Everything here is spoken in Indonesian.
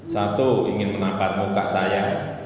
satu ingin menampar muka saya